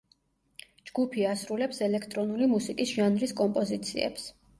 ჯგუფი ასრულებს ელექტრონული მუსიკის ჟანრის კომპოზიციებს.